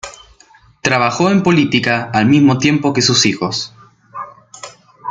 Trabajó en política al mismo tiempo que sus hijos.